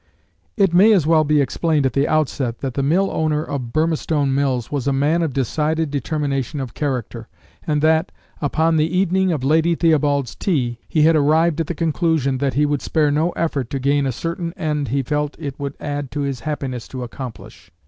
It may as well be explained at the outset, that the mill owner of Burmistone Mills was a man of decided determination of character, and that, upon the evening of Lady Theobald's tea, he had arrived at the conclusion that he would spare no effort to gain a certain end he felt it would add to his happiness to accomplish.